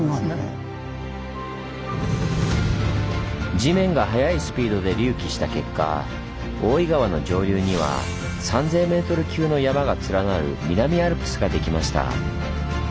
地面が速いスピードで隆起した結果大井川の上流には３，０００ｍ級の山が連なる南アルプスができました。